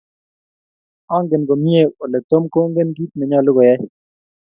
Angen komie ole Tom kongen kiit ne nyolu koyai.